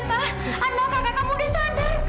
anak anak kamu sudah sadar